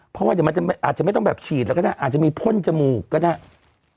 เพราะว่าเดี๋ยวมันอาจจะไม่ต้องแบบฉีดแล้วก็ได้อาจจะมีพ่นจมูกก็ได้